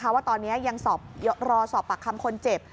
ว่าตอนนี้ยังรอสอบปากคำคนเจ็บ